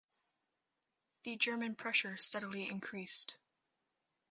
The German pressure steadily increased.